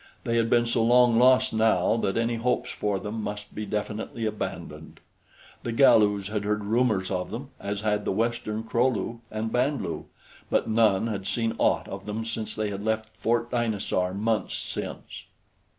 They had been so long lost now that any hopes for them must be definitely abandoned. The Galus had heard rumors of them, as had the Western Kro lu and Band lu; but none had seen aught of them since they had left Fort Dinosaur months since.